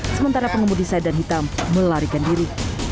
sementara pengemudi sedan hitam melarikan diri